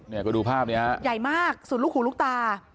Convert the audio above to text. เนี่ยก็ดูภาพนี้ฮะใหญ่มากสุดลูกหูลูกตา